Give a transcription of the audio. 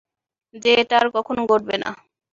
যে এটা আর কখনো ঘটবে না।